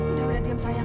udah udah diam sayang